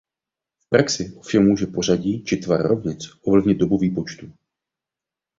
V praxi ovšem může pořadí či tvar rovnic ovlivnit dobu výpočtu.